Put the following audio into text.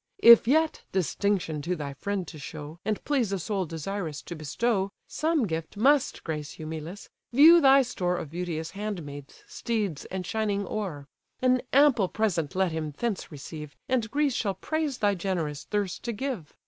If yet (distinction to thy friend to show, And please a soul desirous to bestow) Some gift must grace Eumelus, view thy store Of beauteous handmaids, steeds, and shining ore; An ample present let him thence receive, And Greece shall praise thy generous thirst to give.